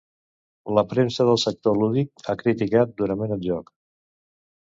La premsa del sector lúdic ha criticat durament el joc.